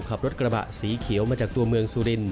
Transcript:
ขับรถกระบะสีเขียวมาจากตัวเมืองสุรินท